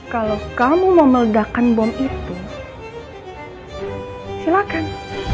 kalau kamu mau meledakan bom itu silakan